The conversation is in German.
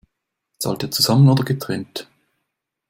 Zahlt ihr zusammen oder getrennt?